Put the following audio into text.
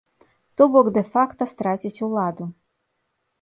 То-бок, дэ-факта страціць уладу.